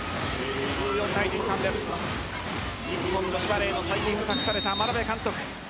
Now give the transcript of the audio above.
日本女子バレーの再建を託された眞鍋監督。